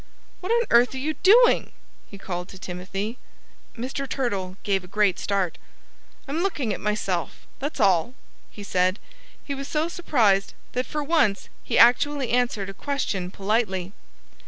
"What on earth are you doing!" he called to Timothy. Mr. Turtle gave a great start. "I'm looking at myself that's all," he said. He was so surprised that for once he actually answered a question politely.